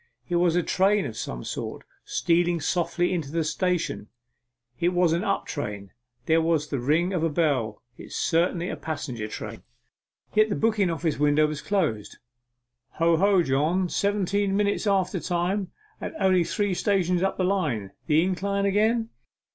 It was a train of some sort, stealing softly into the station, and it was an up train. There was the ring of a bell. It was certainly a passenger train. Yet the booking office window was closed. 'Ho, ho, John, seventeen minutes after time and only three stations up the line. The incline again?